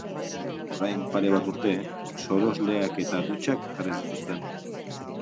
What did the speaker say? Orain pare bat urte, sorosleak eta dutxak jarri zituzten.